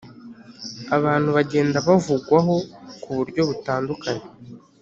abantu bagenda bavugwaho ku buryo butandukanye.